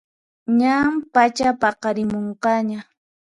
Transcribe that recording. Ñan pachapaqarimunqaña